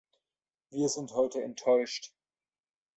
Wir sind heute enttäuscht.